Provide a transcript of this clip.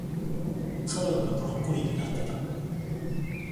サドルがブロッコリーになってた